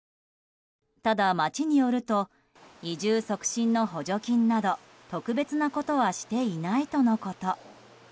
ただ町によると移住促進の補助金など特別なことはしていないとのこと。